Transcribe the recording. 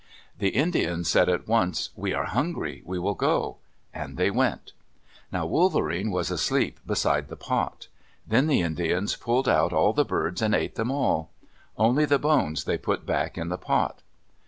The Indians said at once, "We are hungry. We will go." And they went. Now Wolverene was asleep beside the pot. Then the Indians pulled out all the birds and ate them all. Only the bones they put back in the pot.